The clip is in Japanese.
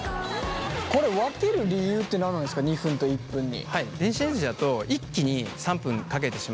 これ分ける理由って何なんですか２分と１分に。